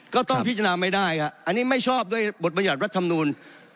ก็ต้องพิจารณาไม่ได้ครับอันนี้ไม่ชอบด้วยบทบรรยัติรัฐมนูล